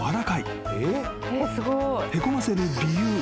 ［へこませる理由。